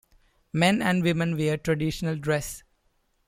Men and women wear traditional dress.